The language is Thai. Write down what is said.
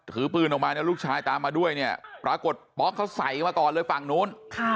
ถือปืนออกมาเนี่ยลูกชายตามมาด้วยเนี่ยปรากฏป๊อกเขาใส่มาก่อนเลยฝั่งนู้น